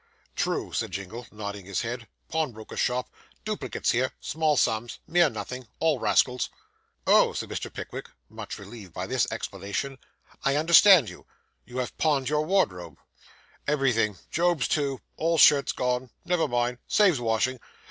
'True,' said Jingle, nodding his head. 'Pawnbroker's shop duplicates here small sums mere nothing all rascals.' 'Oh,' said Mr. Pickwick, much relieved by this explanation; 'I understand you. You have pawned your wardrobe.' 'Everything Job's too all shirts gone never mind saves washing.